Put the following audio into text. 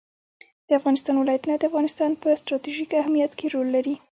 د افغانستان ولايتونه د افغانستان په ستراتیژیک اهمیت کې رول لري.